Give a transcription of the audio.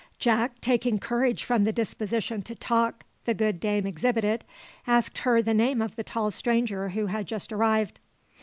Jack, taking courage from the disposition to talk the good dame exhibited, asked her the name of the tall stranger who had just arrived.